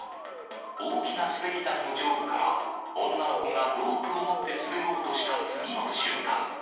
大きな滑り台の上部から、女の子がロープを持って滑ろうとした次の瞬間。